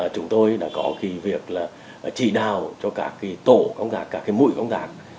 chúng tôi đã có việc chỉ đào cho các tổ công tác các mũi công tác